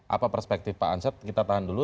apa perspektif pak ansyad kita tahan dulu